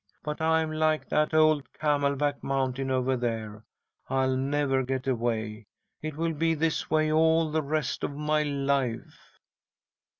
But I'm like that old Camelback Mountain over there. I'll never get away. It will be this way all the rest of my life."